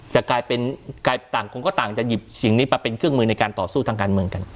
จะกลายเป็นต่างคนก็ต่างจะหยิบสิ่งนี้มาเป็นเครื่องมือในการต่อสู้ทางการเมืองกัน